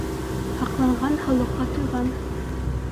Һаҡланған һаулыҡҡа туйған.